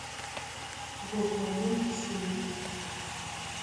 Гогоным псы ит.